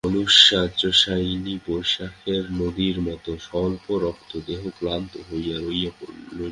বালুশয্যাশায়িনী বৈশাখের নদীর মতো তার স্বল্পরক্ত দেহ ক্লান্ত হয়ে রইল পড়ে।